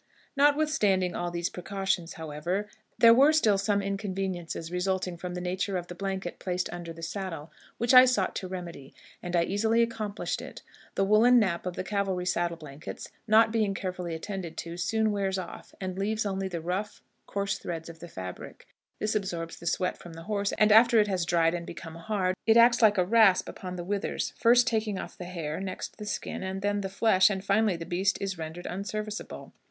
"Notwithstanding all these precautions, however, there were still some inconveniences resulting from the nature of the blanket placed under the saddle, which I sought to remedy, and I easily accomplished it. The woolen nap of the cavalry saddle blankets, not being carefully attended to, soon wears off, and leaves only the rough, coarse threads of the fabric; this absorbs the sweat from the horse, and, after it has dried and become hard, it acts like a rasp upon the withers, first taking off the hair, next the skin, and then the flesh, and, finally, the beast is rendered unserviceable.